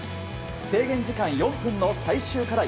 制限時間４分の最終課題